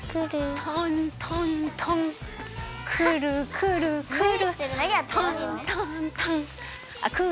とんとんとんくるくるくる。